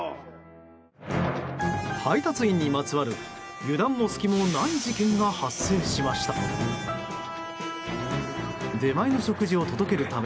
配達員にまつわる油断も隙もない事件が発生しました。